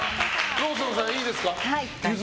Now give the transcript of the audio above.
ローソンさんいいですか？